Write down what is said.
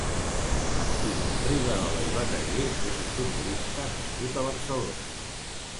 Martí Riverola i Bataller és un futbolista nascut a Barcelona.